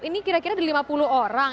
ini kira kira ada lima puluh orang